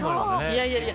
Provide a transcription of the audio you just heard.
いやいやいや。